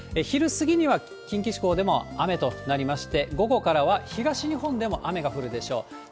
昼過ぎには近畿地方でも雨となりまして、午後からは東日本でも雨が降るでしょう。